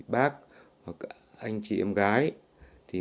bác anh chị em gái